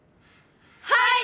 はい！